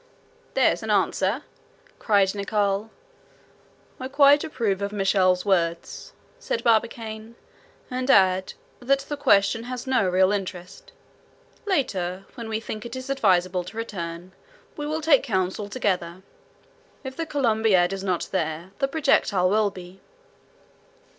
"There's an answer!" cried Nicholl. "I quite approve of Michel's words," said Barbicane; "and add, that the question has no real interest. Later, when we think it is advisable to return, we will take counsel together. If the Columbiad is not there, the projectile will be."